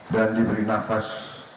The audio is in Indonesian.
dan diberi nafas